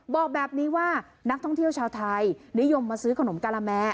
บอกแบบนี้ว่านักท่องเที่ยวชาวไทยนิยมมาซื้อขนมกะละแม